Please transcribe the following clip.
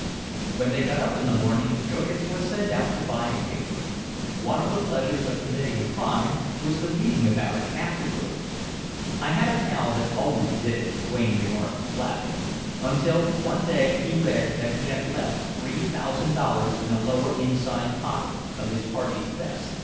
When they got up in the morning, Jurgis was sent out to buy a paper; one of the pleasures of committing a crime was the reading about it afterward. "I had a pal that always did it," Duane remarked, laughing—"until one day he read that he had left three thousand dollars in a lower inside pocket of his party's vest!"